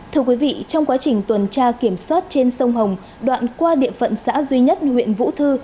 thưa quý vị trong quá trình tuần tra kiểm soát trên sông hồng đoạn qua địa phận xã duy nhất huyện vũ thư